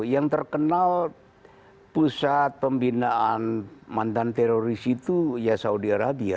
yang terkenal pusat pembinaan mantan teroris itu ya saudi arabia